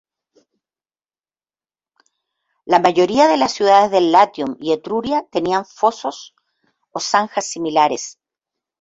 La mayoría de las ciudades de Latium y Etruria tenían fosos o zanjas similares.